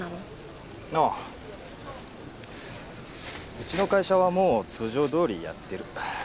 うちの会社はもう通常どおりやってる。